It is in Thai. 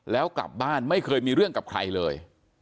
แล้วกลับบ้านไม่เคยมีเรื่องกับใครเลย